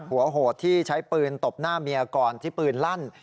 โหดที่ใช้ปืนตบหน้าเมียก่อนที่ปืนลั่น